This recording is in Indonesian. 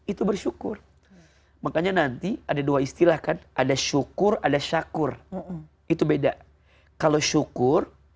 itu bersyukur makanya nanti ada dua istilah kan ada syukur ada syakur itu beda kalau syukur